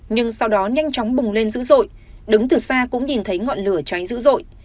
nhưng sau đó nhanh chóng bùng lên dữ dội đứng từ xa cũng nhìn thấy ngọn lửa cháy dữ dội